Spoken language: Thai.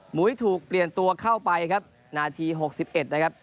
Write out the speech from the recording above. หมุยถูกเปลี่ยนตัวเข้าไปครับนาทีหกสิบเอ็ดนะครับ